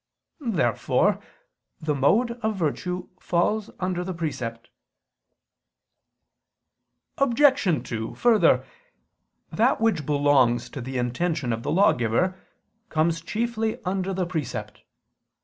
Therefore the mode of virtue falls under the precept. Obj. 2: Further, that which belongs to the intention of the lawgiver comes chiefly under the precept.